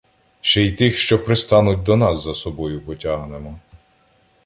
Ще й тих, що пристануть до нас, за собою потягнемо.